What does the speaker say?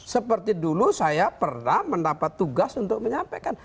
seperti dulu saya pernah mendapat tugas untuk menyampaikan